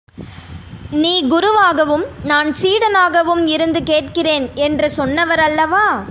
நீ குருவாகவும் நான் சீடனாகவும் இருந்து கேட்கிறேன் என்று சொன்னவர் அல்லவா?